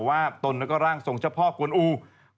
ว่าตนและร่างทรงเจ้าพ่อกวนอู